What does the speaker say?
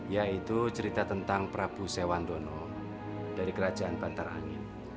yaitu cerita tentang prabu sewan dono dari kerajaan pantarangin